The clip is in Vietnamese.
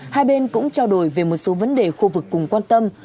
hai bên cũng trao đổi về một số vấn đề khu vực cùng quan tâm